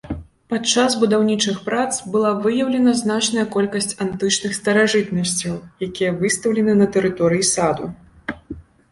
Падчас будаўнічых прац была выяўлена значная колькасць антычных старажытнасцяў, якія выстаўлены на тэрыторыі саду.